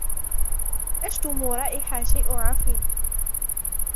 أشم رائحة شيء عفن.